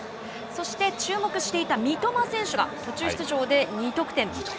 そして、注目していた三笘選手が途中出場で２得点。